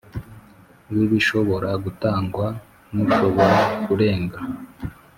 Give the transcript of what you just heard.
W ibishobora gutangwa ntushobora kurenga